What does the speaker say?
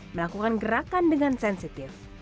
melakukan gerakan dengan sensitif